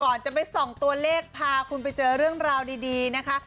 ก่อนจะไปส่องตัวเลขพาคุณไปเจอเรื่องราวดีนะคะ